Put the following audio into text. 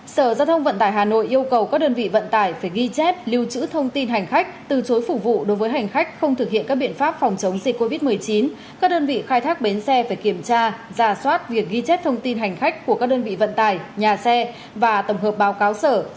sở giao thông vận tải hà nội yêu cầu các đơn vị vận tải phải ghi chép lưu trữ thông tin hành khách từ chối phục vụ đối với hành khách không thực hiện các biện pháp phòng chống dịch covid một mươi chín các đơn vị khai thác bến xe phải kiểm tra giả soát việc ghi chép thông tin hành khách của các đơn vị vận tải nhà xe và tổng hợp báo cáo sở